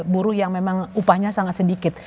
buruh yang memang upahnya sangat sedikit